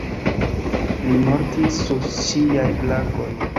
Li mortis sur ŝiaj brakoj.